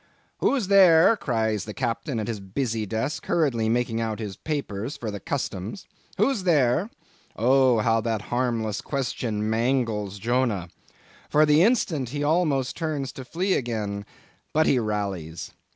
"'Who's there?' cries the Captain at his busy desk, hurriedly making out his papers for the Customs—'Who's there?' Oh! how that harmless question mangles Jonah! For the instant he almost turns to flee again. But he rallies.